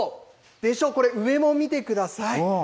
でしょ、これ、上も見てください。